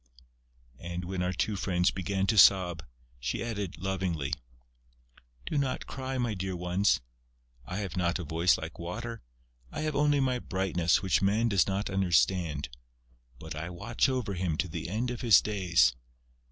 And, when our two friends began to sob, she added, lovingly: "Do not cry, my dear little ones.... I have not a voice like Water; I have only my brightness, which Man does not understand.... But I watch over him to the end of his days....